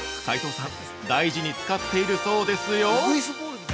斎藤さん、大事に使っているそうですよ！！